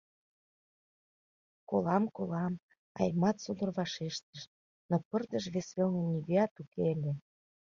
— “Колам, колам!..” — Аймат содор вашештыш, но пырдыж вес велне нигӧат уке ыле.